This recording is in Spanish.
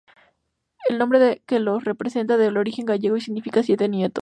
El nombre que los representa es de origen gallego y significa "siete nietos".